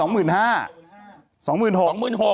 บาทละ๒๕๐๐๐